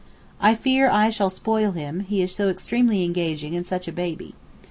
I fear I shall spoil him, he is so extremely engaging and such a baby.